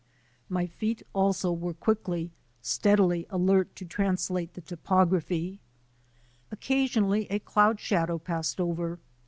My feet also were quickly, steadily alert to translate the topography. Occasionally a cloud shadow passed over.